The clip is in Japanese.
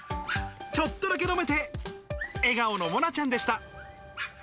ちょっとだけ飲めて、笑顔のもなちゃんでした。